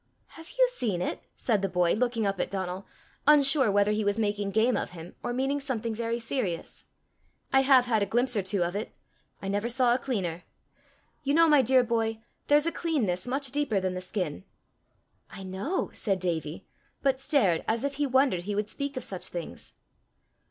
"Have you seen it?" said the boy, looking up at Donal, unsure whether he was making game of him, or meaning something very serious. "I have had a glimpse or two of it. I never saw a cleaner. You know, my dear boy, there's a cleanness much deeper than the skin!" "I know!" said Davie, but stared as if he wondered he would speak of such things.